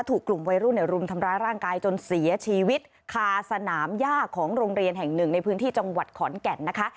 ถูกกลุ่มวัยรุ่นรุมทำร้ายร่างกายจนเสียชีวิตคาสนามย่าของโรงเรียนแห่งหนึ่งในพื้นที่จังหวัดขอนแก่นนะคะ